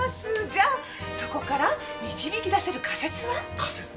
じゃあそこから導き出せる仮説は？仮説？